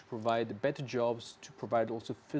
pertama karena rasionalnya